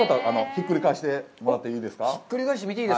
ひっくり返してみていいですか。